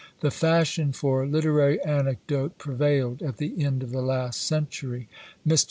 The fashion for literary anecdote prevailed at the end of the last century. Mr.